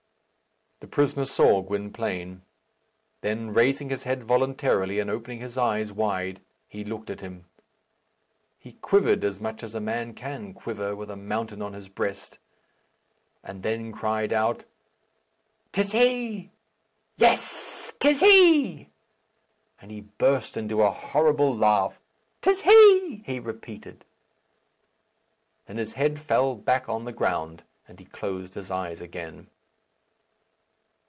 The prisoner saw Gwynplaine. Then, raising his head voluntarily, and opening his eyes wide, he looked at him. He quivered as much as a man can quiver with a mountain on his breast, and then cried out, "'Tis he! Yes; 'tis he!" And he burst into a horrible laugh. "'Tis he!" he repeated. Then his head fell back on the ground, and he closed his eyes again.